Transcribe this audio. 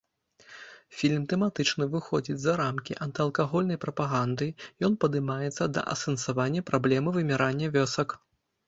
Фільм тэматычна выходзіць за рамкі антыалкагольнай прапаганды, ён падымаецца да асэнсавання праблемы вымірання вёсак.